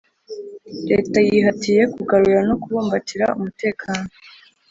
leta yihatiye kugarura no kubumbatira umutekano